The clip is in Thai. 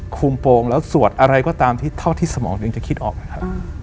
โมงโปรงแล้วสวดอะไรก็ตามที่เท่าที่สมองยังจะคิดออกนะครับ